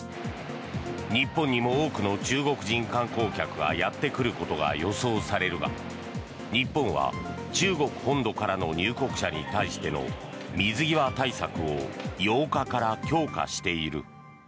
日本にも多くの中国人観光客がやってくることが予想されるが日本は中国本土からの入国者に対しての水際対策を８日から強化している。